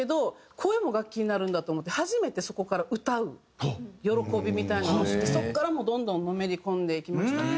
声も楽器になるんだと思って初めてそこから歌う喜びみたいなのを知ってそこからどんどんのめり込んでいきましたね。